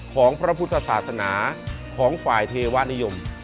ของพระพุทธศาสนาของฝ่ายเทวะนิยม